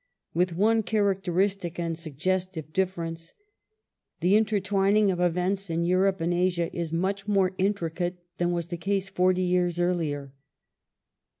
With one characteristic and suggestive difference. The intertwin ing of events in Europe and Asia is much more intricate than was the case forty years earlier.